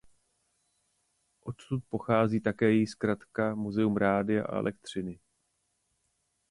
Odtud pochází také její zkratka Muzeum Rádia a Elektřiny.